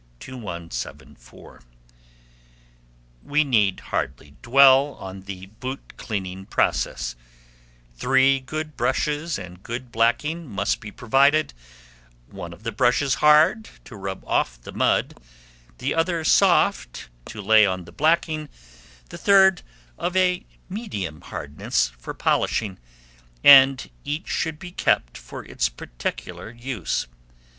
2174. We need hardly dwell on the boot cleaning process: three good brushes and good blacking must be provided; one of the brushes hard, to brush off the mud; the other soft, to lay on the blacking; the third of a medium hardness, for polishing; and each should be kept for its particular use.